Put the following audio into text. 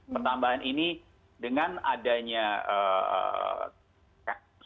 pertambahan ini dengan adanya semacam perkembangan